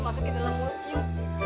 masukin ke dalam mulut yu